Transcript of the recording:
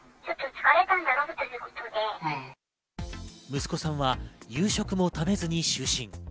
息子さんは夕食も食べずに就寝。